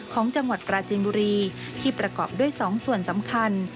ของจังหวัดปราจินบุรีที่ประกอบด้วย๒ส่วนสำคัญ